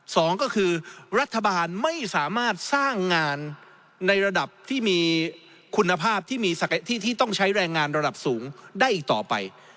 สองก็คือรัฐบาลไม่สามารถสร้างงานในระดับที่มีคุณภาพที่มีที่ต้องใช้แรงงานระดับสูงได้อีกต่อไป